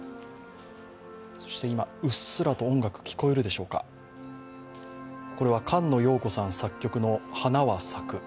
今、うっすらと音楽が聞こえるでしょうか、これは菅野よう子さん作曲の「花は咲く」。